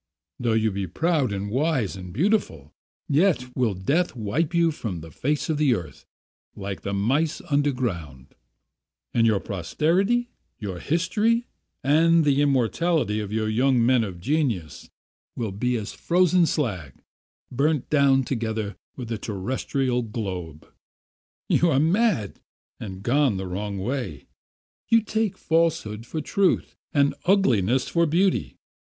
Though you be proud and wise and beautiful, yet will death wipe you from the face of the earth like the mice underground; and your posterity, your history, and the immortality of your men of genius will be as frozen slag, burnt down together with the terrestrial globe. "You are mad, and gone the wrong way. You take falsehood for truth and ugliness for beauty.